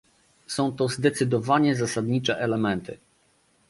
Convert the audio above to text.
Są to zdecydowanie zasadnicze elementy